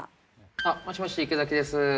もしもし池崎です。